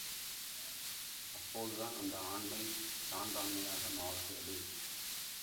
அப்போதுதான் அந்த ஆண்மை சான்றாண்மையாக மாறுகிறது.